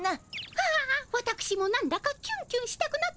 ああわたくしもなんだかキュンキュンしたくなってまいりました。